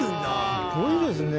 すごいですね。